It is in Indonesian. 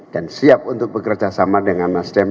dan siap untuk bekerjasama dengan nasdem